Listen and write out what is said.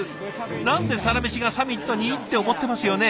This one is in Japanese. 何で「サラメシ」がサミットに？って思ってますよね。